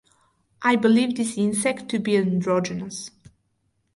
I believe this insect to be androgynous.